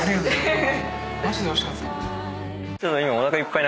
マジでおいしかった。